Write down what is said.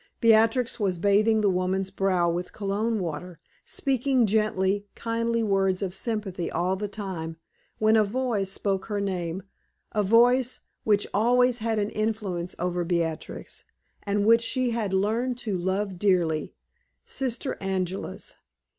Beatrix was bathing the woman's brow with Cologne water, speaking gentle, kindly words of sympathy all the time, when a voice spoke her name, a voice which always had an influence over Beatrix, and which she had learned to love dearly Sister Angela's.